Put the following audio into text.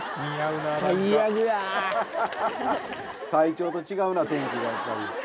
隊長と違うな天気がやっぱり。